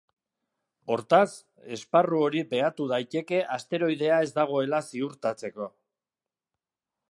Hortaz, esparru hori behatu daiteke asteroidea ez dagoela ziurtatzeko.